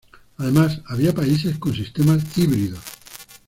Además, había países con sistemas híbridos.